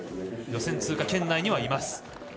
予選通過圏内にはいます。